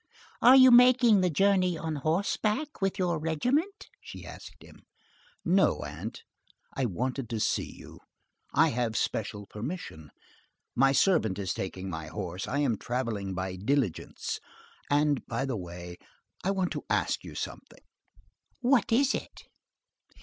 "Are you making the journey on horseback, with your regiment?" she asked him. "No, aunt. I wanted to see you. I have special permission. My servant is taking my horse; I am travelling by diligence. And, by the way, I want to ask you something." "What is it?"